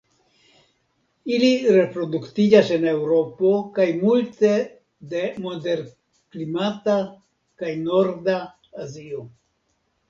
Ili reproduktiĝas en Eŭropo kaj multe de moderklimata kaj norda Azio.